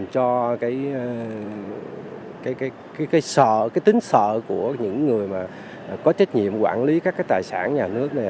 do cái tính sợ của những người có trách nhiệm quản lý các tài sản nhà nước này